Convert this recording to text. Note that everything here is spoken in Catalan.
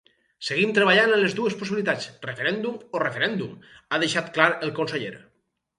Seguim treballant en les dues possibilitats: referèndum o referèndum, ha deixat clar el conseller.